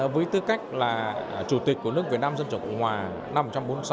với tư cách là chủ tịch của nước việt nam dân chủ cộng hòa năm một trăm bốn mươi sáu